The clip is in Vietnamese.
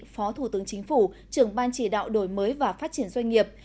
phó thủ tướng chính phủ trưởng ban chỉ đạo đổi mới và phát triển doanh nghiệp